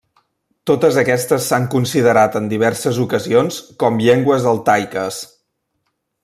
Totes aquestes s'han considerat en diverses ocasions com llengües altaiques.